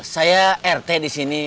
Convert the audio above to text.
saya rt disini